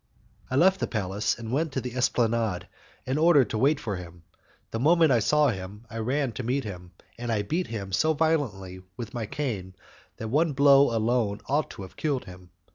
I left the palace and went to the esplanade in order to wait for him. The moment I saw him, I ran to meet him, and I beat him so violently with my cane that one blow alone ought to have killed him.